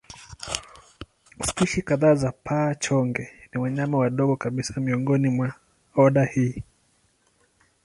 Spishi kadhaa za paa-chonge ni wanyama wadogo kabisa miongoni mwa oda hii.